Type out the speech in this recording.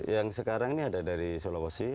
yang sekarang ini ada dari sulawesi